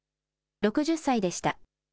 ６０歳でした。